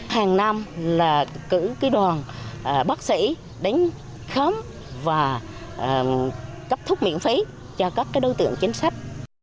hàng năm là cử cái đoàn bác sĩ đánh khóm và cấp thuốc miễn phí cho các đối tượng chính sách